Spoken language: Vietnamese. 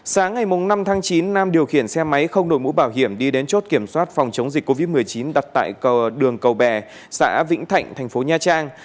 sáng ngày năm tháng chín nam điều khiển xe máy không đổi mũ bảo hiểm đi đến chốt kiểm soát phòng chống dịch covid một mươi chín đặt tại đường cầu bè xã vĩnh thạnh thành phố nha trang